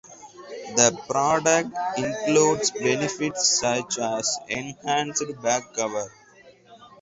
The product includes benefits such as enhanced bag cover.